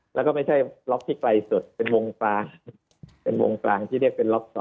แล้วก็ไม่ใช่ล็อกที่ไกลสุดเป็นวงกลางเป็นวงกลางที่เรียกเป็นล็อก๒